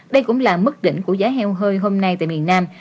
đây cũng là mức đỉnh của giá heo hơi hôm nay tại miền nam